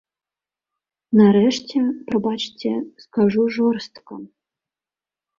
Нарэшце, прабачце, скажу жорстка.